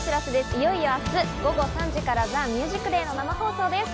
いよいよ明日午後３時から『ＴＨＥＭＵＳＩＣＤＡＹ』生放送です。